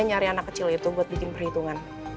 nyari anak kecil itu buat bikin perhitungan